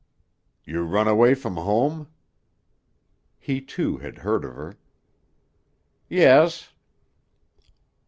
"You run away from home?" He too had heard of her. "Yes."